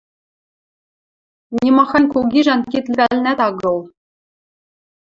Нимахань кугижӓн кид лӹвӓлнӓт агыл